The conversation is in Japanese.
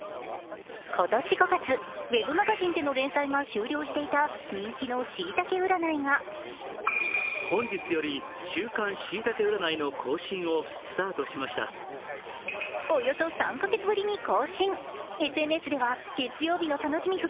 今年５月、ウェブマガジンでの連載が終了していた人気のしいたけ占いがおよそ３か月ぶりに更新。